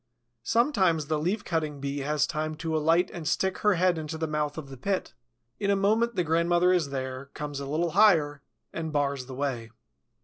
Sometimes the Leaf cutting Bee has time to alight and stick her head into the mouth of the pit. In a moment the grandmother is there, comes a little higher, and bars the way.